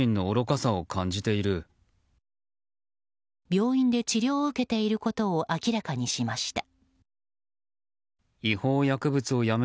病院で治療を受けていることを明らかにしました。